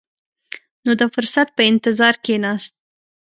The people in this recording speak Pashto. نو د فرصت په انتظار کښېناست.